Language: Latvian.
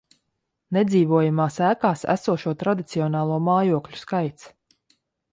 Nedzīvojamās ēkās esošo tradicionālo mājokļu skaits